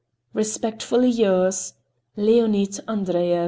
Respectfully yours, LEONID ANDREYEV.